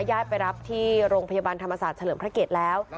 ญาติไปรับที่โรงพยาบาลธรรมศาสตร์เฉลิมพระเกียรติแล้ว